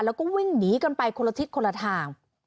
แล้วก็วิ่งหนีกันไปคนละทิศคนละทาง